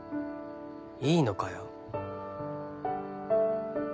いいのかよ。